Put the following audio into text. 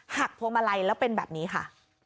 พวงมาลัยแล้วเป็นแบบนี้ค่ะ